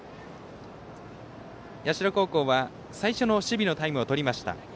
社高校は、最初の守備のタイムをとりました。